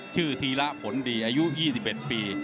ธีระผลดีอายุ๒๑ปี